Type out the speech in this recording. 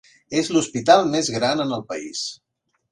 És l'hospital més gran en el país.